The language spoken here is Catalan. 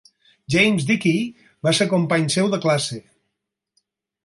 James Dickey va ser company seu de classe.